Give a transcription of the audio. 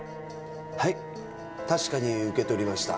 はい確かに受け取りました。